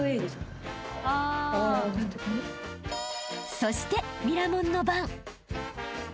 ［そしてミラモンの番］